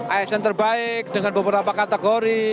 asn terbaik dengan beberapa kategori